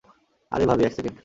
আরে ভাবি, এক সেকেন্ড!